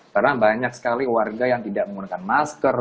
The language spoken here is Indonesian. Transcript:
karena banyak sekali warga yang tidak menggunakan masker